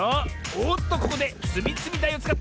おっとここでつみつみだいをつかった！